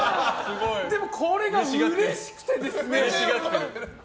でも、これがうれしくてですね。